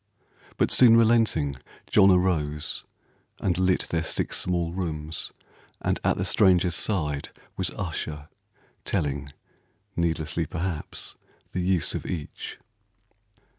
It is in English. But soon relenting, John arose, and lit Their six small rooms, and at the stranger's side Was usher, telling, needlessly perhaps, The use of each.